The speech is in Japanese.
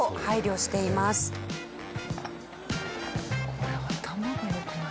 これ頭が良くないと。